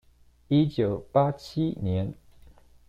一九八七年